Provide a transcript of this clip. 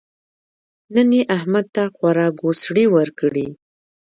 نن يې احمد ته خورا ګوسړې ورکړې.